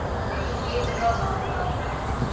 لیکن یہ ان کا کام تھا۔